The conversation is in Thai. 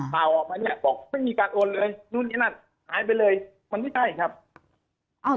บาวออกมาเนี่ยบอกตั้งหมดให้การโอนเนื้อนมาแล้วหายไปเลยมันไม่ได้ครับ